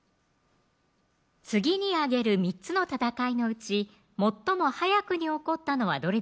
次に挙げる３つの戦いのうち最も早くに起こったのはどれでしょう